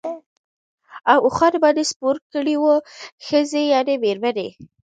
او اوښانو باندي سپور کړی وې، ښځي يعني ميرمنې